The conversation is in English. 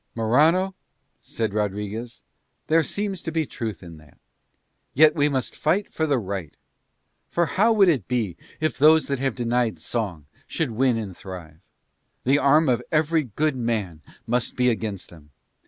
"Morano," said Rodriguez, "there seems to be truth in that. Yet must we fight for the right. For how would it be if those that have denied song should win and thrive? The arm of every good man must be against them.